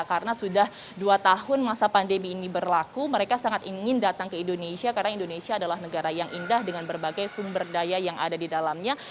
karena sudah dua tahun masa pandemi ini berlaku mereka sangat ingin datang ke indonesia karena indonesia adalah negara yang indah dengan berbagai sumber daya yang ada di dalamnya